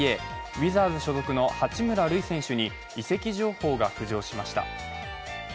ウィザーズ所属の八村塁選手に移籍情報が浮上しました。